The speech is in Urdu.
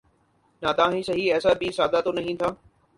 ناداں ہی سہی ایسا بھی سادہ تو نہیں تھا